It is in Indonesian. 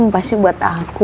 pasti buat aku